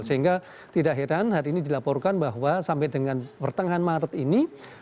sehingga tidak heran hari ini dilaporkan bahwa sampai dengan pertengahan maret ini